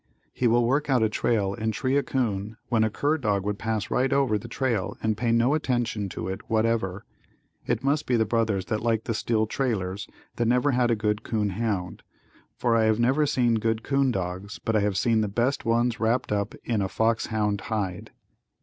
He will work out a trail and tree a 'coon when a cur dog would pass right over the trail and pay no attention to it whatever. It must be the brothers that like the still trailers that never had a good 'coon hound, for I have never seen good 'coon dogs but I have seen the best ones wrapped up in a fox hound hide.